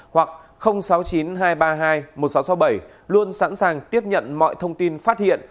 hoặc sáu chín hai ba hai một sáu sáu bảy luôn sẵn sàng tiếp nhận mọi thông tin phát hiện